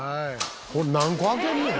何個開けんねん？